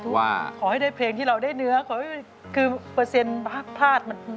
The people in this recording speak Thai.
ทุกคนอาจว่าขอให้ได้เพลงที่เราได้เนื้อขอให้คือเปอร์เซ็นต์พลาดมัน